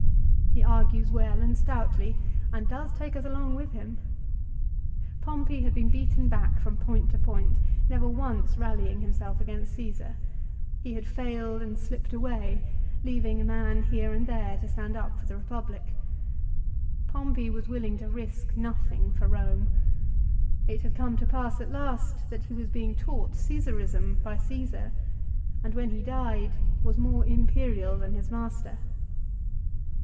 He argues well and stoutly, and does take us along with him. Pompey had been beaten back from point to point, never once rallying himself against Csesar. He had failed and had slipped away, leaving a man here and there to stand up for the Eepublic. Pompey was willing to risk nothing for Borne. It had come to pass at last that he was being taught Csesarism by Csesar, and when he died was more imperial than his master.